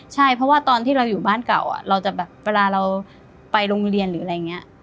ใช่เพราะว่าตอนที่เราอยู่บ้านเก่าเราจะแบบเวลาเราไปโรงเรียนหรืออะไรอย่างนี้